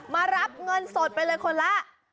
มารับเงินสดไปเลยคนละ